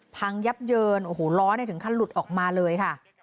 พังยับเยินโอ้โหล้อถึงขั้นหลุดออกมาเลยค่ะ